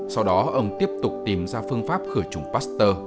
sau đó ông tiếp tục tìm ra phương pháp khử trùng pasteur